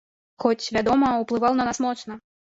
Хоць, вядома, уплываў на нас моцна.